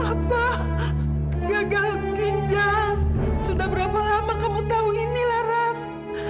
apa gagal ginjal sudah berapa lama kamu tahu ini laras